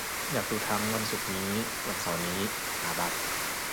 อยากดูทั้ง วันศุกร์นี้ วันเสาร์นี้ หาบัตร